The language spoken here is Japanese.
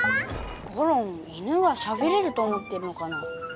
ゴロン犬はしゃべれると思ってるのかな？